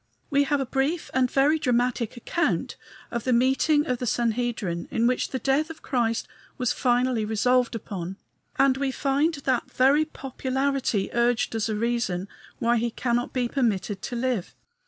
We have a brief and very dramatic account of the meeting of the Sanhedrim in which the death of Christ was finally resolved upon, and we find that very popularity urged as a reason why he cannot be permitted to live.